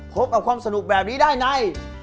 พบกับความสนุกแบบนี้ได้ใน